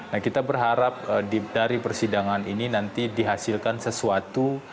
nah kita berharap dari persidangan ini nanti dihasilkan sesuatu